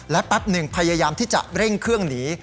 และแป๊บหนึ่งพยายามที่จะเร่งเครื่องหนี